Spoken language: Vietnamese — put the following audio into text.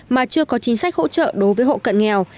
mà chưa có chính sách hỗ trợ đối với hộ cận nghèo